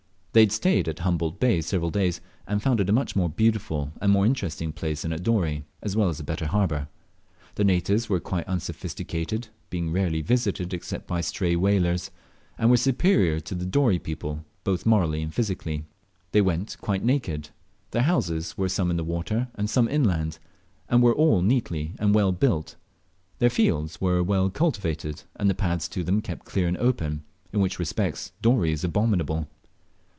They had stayed at Humboldt Bay several days, and found it a much more beautiful and more interesting place than Dorey, as well as a better harbour. The natives were quite unsophisticated, being rarely visited except by stray whalers, and they were superior to the Dorey people, morally and physically. They went quite naked. Their houses were some in the water and some inland, and were all neatly and well built; their fields were well cultivated, and the paths to them kept clear and open, in which respects Dorey is abominable.